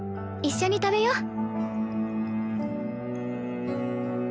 一緒に食べよ！